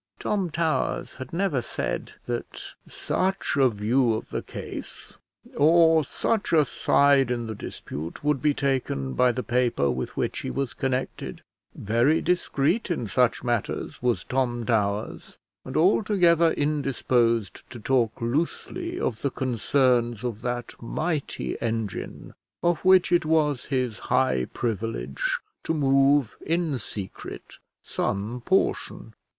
Tom Towers had never said that such a view of the case, or such a side in the dispute, would be taken by the paper with which he was connected. Very discreet in such matters was Tom Towers, and altogether indisposed to talk loosely of the concerns of that mighty engine of which it was his high privilege to move in secret some portion.